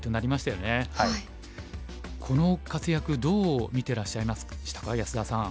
この活躍どう見てらっしゃいましたか安田さん。